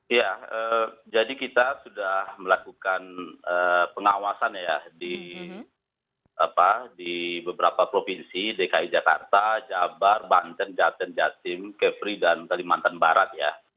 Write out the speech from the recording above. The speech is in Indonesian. iya jadi kita sudah melakukan pengawasan ya di beberapa provinsi dki jakarta jabar banten jateng jatim kepri dan kalimantan barat ya